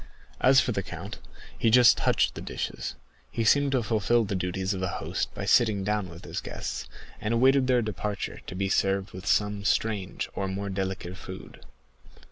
As for the count, he just touched the dishes; he seemed to fulfil the duties of a host by sitting down with his guests, and awaited their departure to be served with some strange or more delicate food.